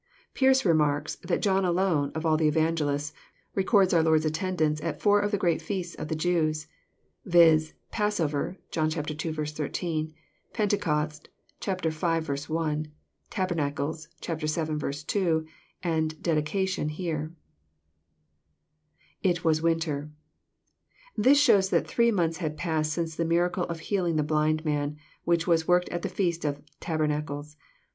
Pearce remarks, that John alone, of all the evangelists, records our Lord's attendance at four of the great feasts of the Jews : viz., passover, (John ii. 13,) pentecost,(v. 1,) tabernacles, (vii. 2,) and dedication here. [It vjas winter.] This shows that three months had passed since the miracle of healing the blind man, which was worked at the feast of tabernacles.